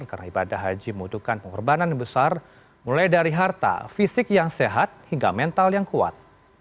karena ibadah haji membutuhkan pengorbanan yang besar mulai dari harta fisik yang sehat hingga mental yang kuat